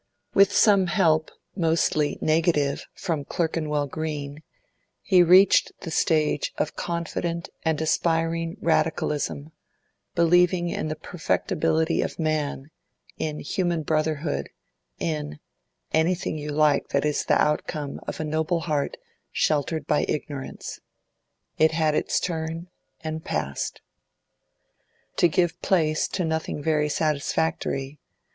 With some help—mostly negative—from Clerkenwell Green, he reached the stage of confident and aspiring Radicalism, believing in the perfectibility of man, in human brotherhood, in—anything you like that is the outcome of a noble heart sheltered by ignorance. It had its turn, and passed. To give place to nothing very satisfactory.